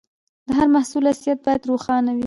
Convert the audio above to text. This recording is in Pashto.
د هر محصول اصليت باید روښانه وي.